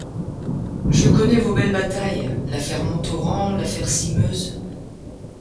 Je connais vos belles batailles, l’affaire Montauran, l’affaire Simeuse. ..